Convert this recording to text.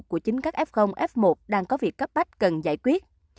của chính các f f một đang có việc cấp bách cần giải quyết